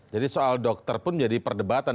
jadi soal dokter pun jadi perdebatan